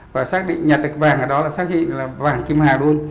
và xác định nhặt được vàng ở đó là xác định là vàng kim hạ luôn